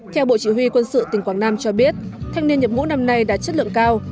theo bộ chỉ huy quân sự tỉnh quảng nam cho biết thanh niên nhập ngũ năm nay đã chất lượng cao